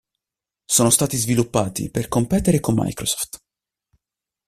Sono stati sviluppati per competere con Microsoft.